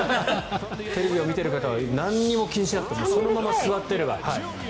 テレビを見ている方は何も気にしなくていいそのまま座っていれば。